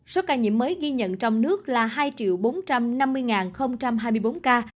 số ca nhiễm mới ghi nhận trong nước là hai bốn trăm năm mươi ca